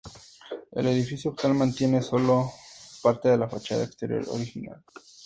El edificio actual mantiene solo parte de la fachada exterior original.